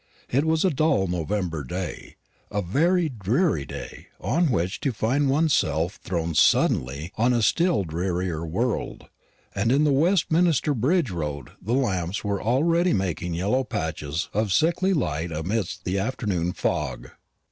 It was a dull November day a very dreary day on which to find one's self thrown suddenly on a still drearier world; and in the Westminster bridge road the lamps were already making yellow patches of sickly light amidst the afternoon fog.